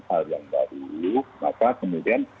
hal yang baru maka kemudian